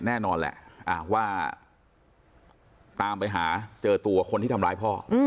แน่นอนแหละว่าตามไปหาเจอตัวคนที่ทำร้ายพ่อ